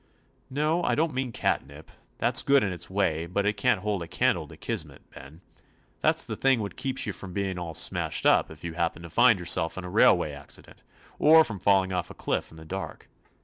"No, I don't mean catnip. That 's good in its way, but it can't hold a candle to Kismet, Ben. That's the thing which keeps you from being all smashed up if you happen to find yourself in a railway accident, or from 45 THE ADVENTURES OF falling off a cliff in the dark.